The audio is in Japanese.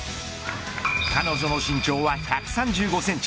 彼女の身長は１３５センチ。